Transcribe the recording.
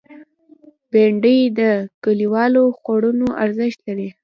بېنډۍ د کلیوالو خوړونو ارزښت لري